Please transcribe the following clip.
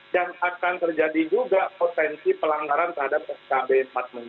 dan akan terjadi juga potensi pelanggaran terhadap skb empat menteri